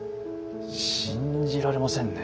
信じられませんね。